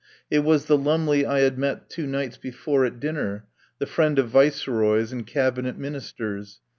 It was the Lumley I had met two nights before at dinner, the friend of Viceroys and Cabinet Ministers.